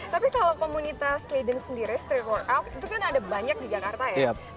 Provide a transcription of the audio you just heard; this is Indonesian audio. tapi kalau komunitas kliden sendiri street workout itu kan ada banyak di jakarta ya